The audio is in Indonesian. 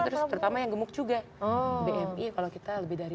terus terutama yang gemuk juga bmi kalau kita lebih dari